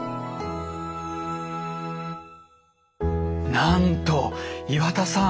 なんと岩田さん